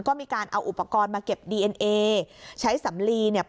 ก็มีการเอาอุปกรณ์มาเก็บดีเอ็นเอใช้สำลีเนี่ย